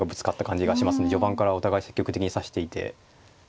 序盤からお互い積極的に指していて。